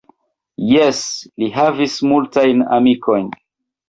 Jes, li havis multajn amikojn.